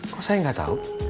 kok saya gak tau